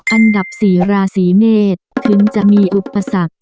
อันดับ๔ราศีเมษถึงจะมีอุปสรรค